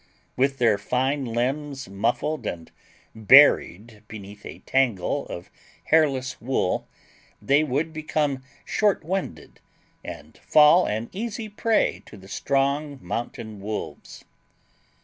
With their fine limbs muffled and buried beneath a tangle of hairless wool, they would become short winded, and fall an easy prey to the strong mountain wolves.